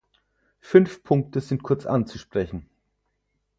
Fünf Punkte sind kurz anzusprechen.